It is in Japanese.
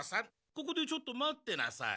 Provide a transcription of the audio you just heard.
ここでちょっと待ってなさい。